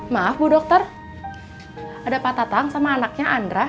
maaf bu dokter ada pak tatang sama anaknya andra